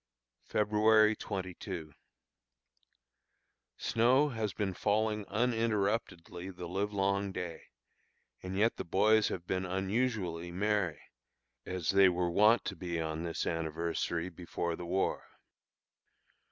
February 22. Snow has been falling uninterruptedly the livelong day, and yet the boys have been unusually merry, as they were wont to be on this anniversary before the war.